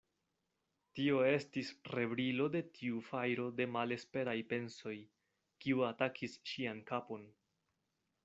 Tio estis rebrilo de tiu fajro de malesperaj pensoj, kiu atakis ŝian kapon.